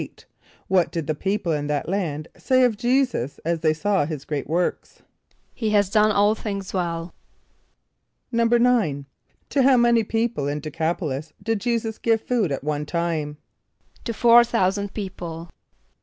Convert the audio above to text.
= What did the people in that land say of J[=e]´[s+]us as they saw his great works? ="He has done all things well."= =9.= To how many people in D[+e] c[)a]p´o l[)i]s did J[=e]´[s+]us give food at one time? =To four thousand people.